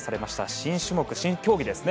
新種目、新競技ですね。